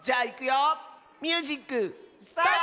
ミュージックスタート！